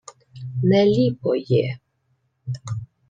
— Не ліпо є...